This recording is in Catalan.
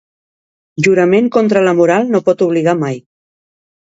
Jurament contra la moral no pot obligar mai.